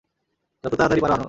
যত তাড়াতাড়ি পারো আনো।